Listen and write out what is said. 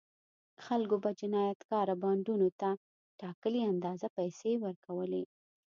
خلکو به جنایتکاره بانډونو ته ټاکلې اندازه پیسې ورکولې.